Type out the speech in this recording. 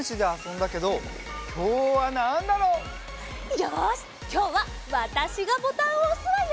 よしきょうはわたしがボタンをおすわよ！